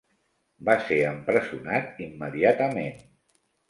Va ser empresonat immediatament.